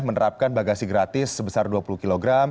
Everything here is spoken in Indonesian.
menerapkan bagasi gratis sebesar dua puluh kg